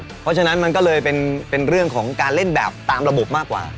เพราะฉะนั้นมันก็เลยเป็นเรื่องของการเล่นแบบตามระบบมากกว่า